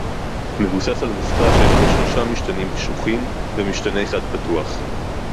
מבוסס על נוסחה שיש בה שלושה משתנים קשוחים ומשתנה אחד פתוח